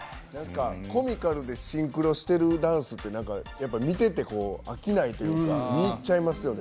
コミカルでシンクロしているダンスって見ていて飽きないというか見入っちゃいますね。